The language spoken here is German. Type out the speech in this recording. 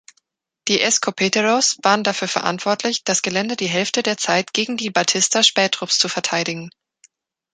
Die „Escopeteros“ waren dafür verantwortlich, das Gelände die Hälfte der Zeit gegen die Batista-Spähtrupps zu verteidigen.